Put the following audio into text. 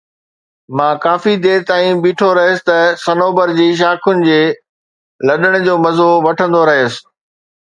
مان ڪافي دير تائين بيٺو رهيس ته صنوبر جي شاخن جي لڏڻ جو مزو وٺندو رهيس